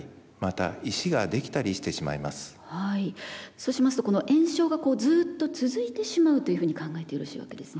そうしますとこの炎症がずっと続いてしまうというふうに考えてよろしいわけですね。